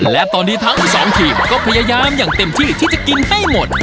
และตอนนี้ทั้งอีก๒ทีมก็พยายามอย่างเต็มที่ที่จะกินให้หมด